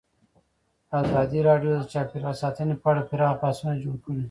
ازادي راډیو د چاپیریال ساتنه په اړه پراخ بحثونه جوړ کړي.